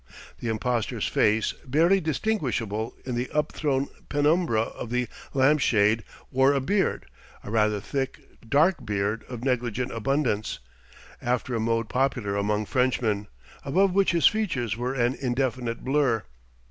The impostor's face, barely distinguishable in the up thrown penumbra of the lampshade, wore a beard a rather thick, dark beard of negligent abundance, after a mode popular among Frenchmen above which his features were an indefinite blur.